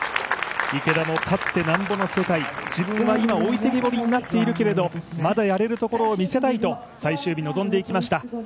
池田も勝ってなんぼの世界、自分は今置いてきぼりになっているけれどまだやれるところをみせたいと最終日臨んでいきました。